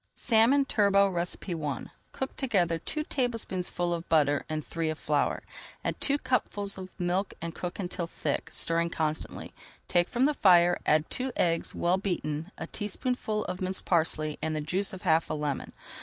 SALMON TURBOT I Cook together two tablespoonfuls of butter and three of flour. Add two cupfuls of milk and cook until thick, stirring constantly. Take from the fire, add two eggs, well beaten, a teaspoonful of minced parsley and the juice of half a lemon.